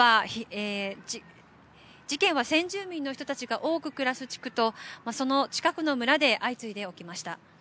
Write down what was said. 事件は、先住民の人たちが多く暮らす地区とその近くの村で相次いで起きました。